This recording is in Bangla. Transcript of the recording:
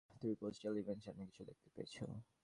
থ্রি-পোস্ট-এলিভেন, সামনে কিছু দেখতে পেয়েছো?